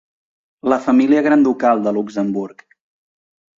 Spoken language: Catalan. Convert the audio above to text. La família granducal de Luxemburg.